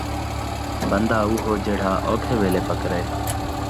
بندہ اوہو جیڑھا اوکھے ویلھے پکرے